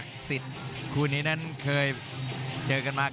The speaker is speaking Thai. ๖๓ต่อ๒๔ต่อ๒๔ลูกซิส